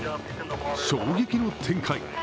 衝撃の展開。